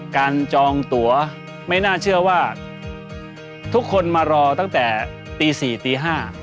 จองตัวไม่น่าเชื่อว่าทุกคนมารอตั้งแต่ตี๔ตี๕